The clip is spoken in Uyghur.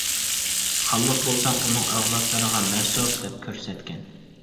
خانلىق بولسا ئۇنىڭ ئەۋلادلىرىغا مەنسۇپ، دەپ كۆرسەتكەن.